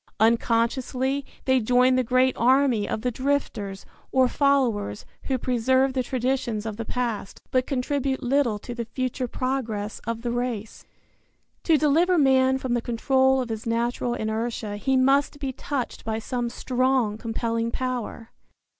Unconsciously they join the great army of the drifters, or followers, who preserve the traditions of the past, but contribute little to the future progress of the race. To deliver man from the control of his natural inertia he must be touched by some strong compelling power.